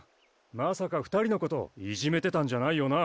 まさか２人のこといじめてたんじゃないよな？